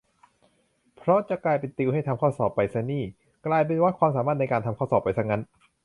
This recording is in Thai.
เพราะจะกลายเป็นติวให้ทำข้อสอบไปซะนี่ กลายเป็นวัดความสามารถในการทำข้อสอบไปซะงั้น